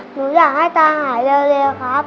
หนูอยากให้ตาหายเร็วครับ